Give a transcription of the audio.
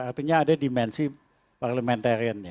artinya ada dimensi parliamentarian nya